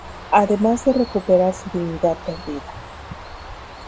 Además de recuperar su dignidad perdida.